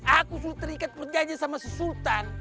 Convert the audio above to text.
aku sudah terikat perjanjian sama sesultan